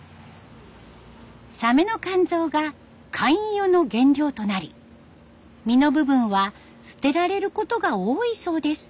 サメの肝臓が肝油の原料となり身の部分は捨てられることが多いそうです。